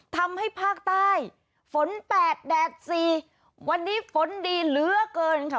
ทำให้ภาคใต้ฝนแปดแดดสี่วันนี้ฝนดีเหลือเกินค่ะ